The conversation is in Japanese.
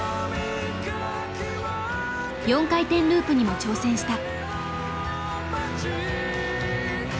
４回転ループにも挑戦した。